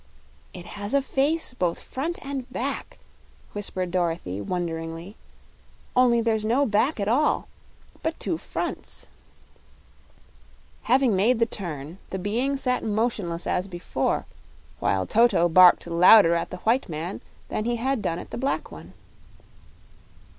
"It has a face both front and back," whispered Dorothy, wonderingly; "only there's no back at all, but two fronts." Having made the turn, the being sat motionless as before, while Toto barked louder at the white man than he had done at the black one.